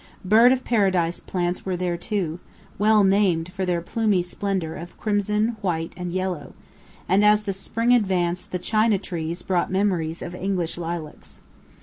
Bird of Paradise plants were there, too, well named for their plumy splendour of crimson, white, and yellow; and as the spring advanced the China trees brought memories of English lilacs.